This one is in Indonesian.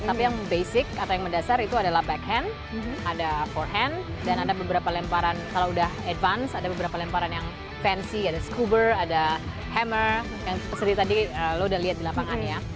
tapi yang basic atau yang mendasar itu adalah backhand ada forehand dan ada beberapa lemparan kalau sudah advance ada beberapa lemparan yang fancy ada scuba ada hammer yang tadi lo sudah lihat di lapangannya